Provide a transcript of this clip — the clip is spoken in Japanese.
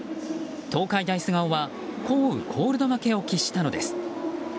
東海大菅生は降雨コールド負けを喫したのです。